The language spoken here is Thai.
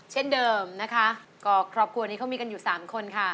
เช่นเดิมนะคะก็ครอบครัวนี้เขามีกันอยู่สามคนค่ะ